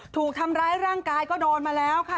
ถูกทำร้ายร่างกายก็โดนมาแล้วค่ะ